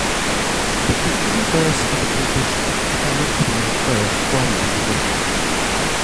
But "the inverse of a conditional cannot be inferred from the conditional".